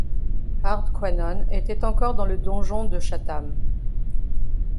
Hardquanonne était encore dans le donjon de Chatham.